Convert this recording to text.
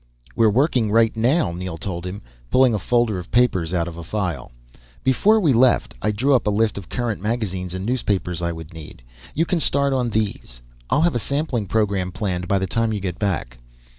"We're working right now," Neel told him, pulling a folder of papers out of the file. "Before we left I drew up a list of current magazines and newspapers I would need. You can start on these. I'll have a sampling program planned by the time you get back."